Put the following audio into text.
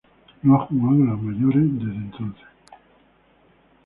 No ha jugado en las mayores desde entonces.